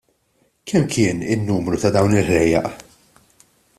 Kemm kien in-numru ta' dawn il-ħlejjaq?